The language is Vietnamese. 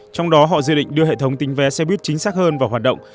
trong đó họ dự định đưa hệ thống tính vé xe buýt chính xác hơn vào hoạt động